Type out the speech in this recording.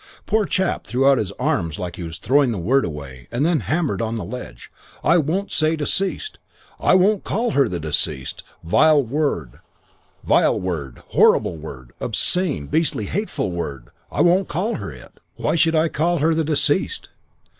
"Poor chap threw out his arms like he was throwing the word away and then hammered on the ledge. 'I won't say deceased. I won't call her the deceased. Vile word. Horrible word. Obscene, beastly, hateful word. I won't call her it. Why should I call her the deceased?'